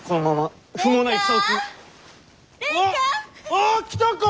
あっあ来たか！